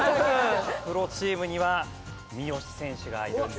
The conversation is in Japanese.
プロチームには三好選手がいるんですよね。